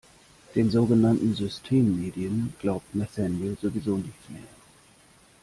Den sogenannten Systemmedien glaubt Nathanael sowieso nichts mehr.